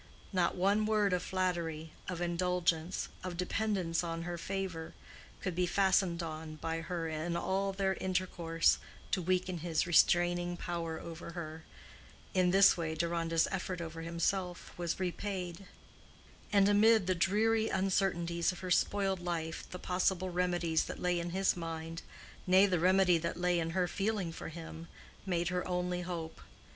Not one word of flattery, of indulgence, of dependence on her favor, could be fastened on by her in all their intercourse, to weaken his restraining power over her (in this way Deronda's effort over himself was repaid); and amid the dreary uncertainties of her spoiled life the possible remedies that lay in his mind, nay, the remedy that lay in her feeling for him, made her only hope.